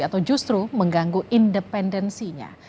atau justru mengganggu independensinya